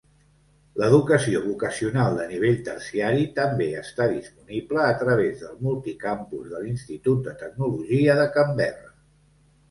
L'educació vocacional de nivell terciari també està disponible a través del multicampus de l'Institut de Tecnologia de Canberra.